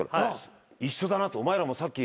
一緒だなお前らもさっき。